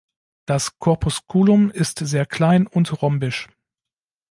Das Corpusculum ist sehr klein und rhombisch.